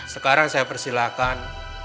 sekarang saya persilakan